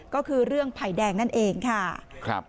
ก็คือเรื่องไผ่แดงนั่นเองค่ะ